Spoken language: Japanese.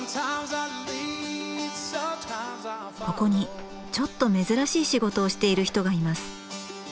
ここにちょっと珍しい仕事をしている人がいます。